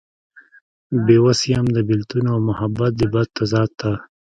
بې وس يم د بيلتون او محبت دې بد تضاد ته